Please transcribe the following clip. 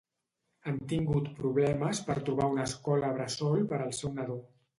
Han tingut problemes per trobar una escola bressol per al seu nadó.